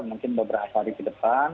mungkin beberapa hari ke depan